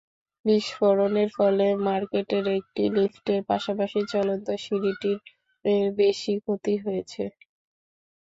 বিস্ফোরণের ফলে মার্কেটের একটি লিফটের পাশাপাশি চলন্ত সিঁড়িটির বেশি ক্ষতি হয়েছে।